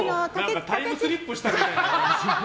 タイムスリップしたみたい。